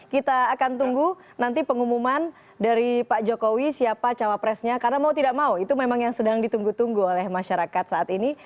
kita akan tunggu nanti pengumuman dari pak jokowi siapa cawapresnya karena mau tidak mau itu memang yang sedang ditunggu tunggu oleh masyarakat saat ini